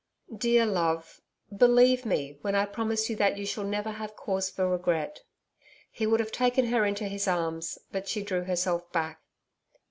'Dear love believe me, when I promise you that you shall never have cause for regret.' He would have taken her into his arms, but she drew herself back.